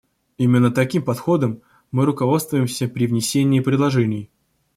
Именно таким подходом мы руководствуемся при внесении предложений.